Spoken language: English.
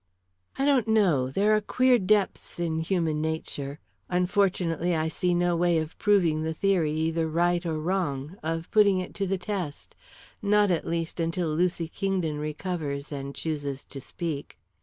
"I don't know; there are queer depths in human nature. Unfortunately, I see no way of proving the theory either right or wrong of putting it to the test; not, at least, until Lucy Kingdon recovers and chooses to speak."